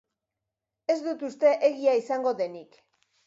Ez dut uste egia izango denik.